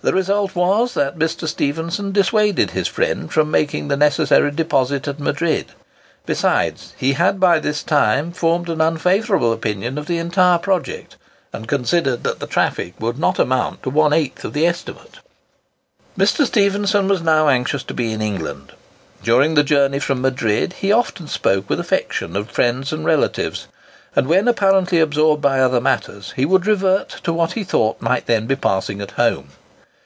The result was, that Mr. Stephenson dissuaded his friend from making the necessary deposit at Madrid. Besides, he had by this time formed an unfavourable opinion of the entire project, and considered that the traffic would not amount to one eighth of the estimate. Mr. Stephenson was now anxious to be in England. During the journey from Madrid he often spoke with affection of friends and relatives; and when apparently absorbed by other matters, he would revert to what he thought might then be passing at home.